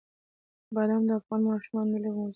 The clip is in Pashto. بادام د افغان ماشومانو د لوبو موضوع ده.